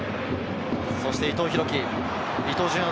そして伊藤洋輝。